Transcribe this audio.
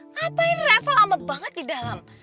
ngapain reva lama banget di dalam